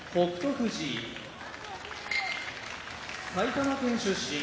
富士埼玉県出身